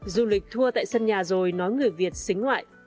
du lịch tour tại sân nhà rồi nói người việt xính ngoại